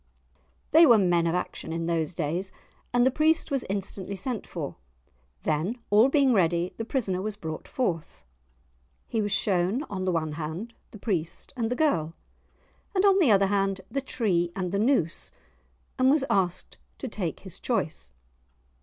They were men of action in those days, and the priest was instantly sent for. Then, all being ready, the prisoner was brought forth. He was shown on the one hand the priest and the girl, and on the other hand the tree and the noose, and was asked to take his choice.